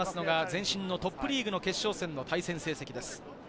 前身のトップリーグの決勝戦の対戦成績です。